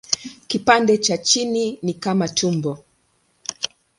Kipande cha chini ni kama tumbo.